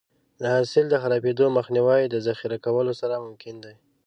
د حاصل د خرابېدو مخنیوی د ذخیره کولو سره ممکن دی.